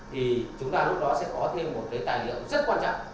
thì chúng ta lúc đó sẽ có thêm một cái tài liệu rất quan trọng